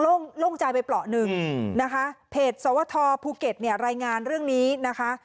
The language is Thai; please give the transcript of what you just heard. โล่งใจไปเปราะหนึ่งนะคะเพจสวทภูเก็ตเนี่ยรายงานเรื่องนี้นะคะ